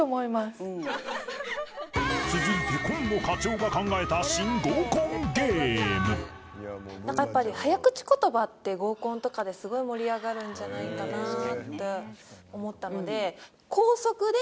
続いて紺野課長が考えた新合コンゲームなんかやっぱり早口言葉って合コンとかですごい盛り上がるんじゃないかなって思ったので。